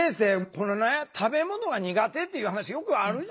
これね食べ物が苦手っていう話よくあるじゃないですか。